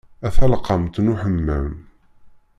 A taleqqamt n uḥemmam.